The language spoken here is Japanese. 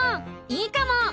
いいかも！